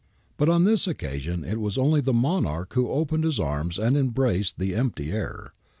But on this occasion it was only the monarch who opened his arms and embraced the empty air.